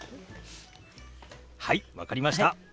はい分かりました。